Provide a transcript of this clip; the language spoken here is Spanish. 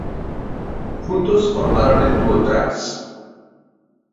Juntos formaron el dúo "Trax".